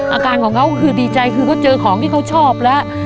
อาการของเขาคือดีใจคือเขาเจอของที่เขาชอบแล้ว